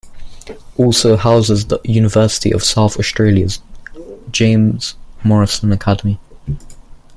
Also houses the University of South Australia's James Morrison Academy.